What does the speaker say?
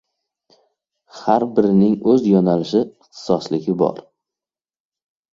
Har birining oʻz yoʻnalishi, ixtisosligi bor.